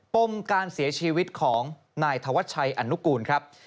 ปมการเสียชีวิตของนายธวัชชัยอนุกูลครับ